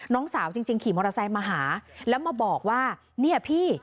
น้องสาวจริงขี่มอเตอร์ไซค์มาหาแล้วมาบอกว่าเนี่ยพี่